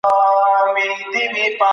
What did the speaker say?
کمیسیونونه ولي جوړیږي؟